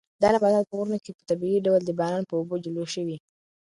دا نباتات په غرونو کې په طبیعي ډول د باران په اوبو لوی شوي.